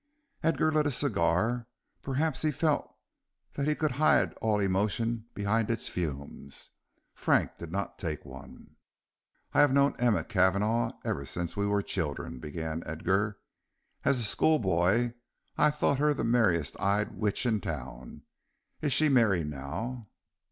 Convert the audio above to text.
Edgar lit a cigar; perhaps he felt that he could hide all emotion behind its fumes. Frank did not take one. "I have known Emma Cavanagh ever since we were children," began Edgar. "As a school boy I thought her the merriest eyed witch in town. Is she merry now?"